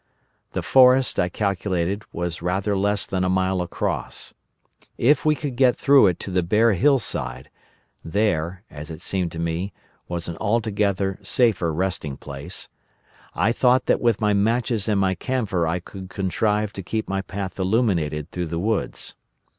The forest, I calculated, was rather less than a mile across. If we could get through it to the bare hillside, there, as it seemed to me, was an altogether safer resting place; I thought that with my matches and my camphor I could contrive to keep my path illuminated through the woods.